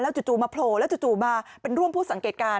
จู่มาโผล่แล้วจู่มาเป็นร่วมผู้สังเกตการณ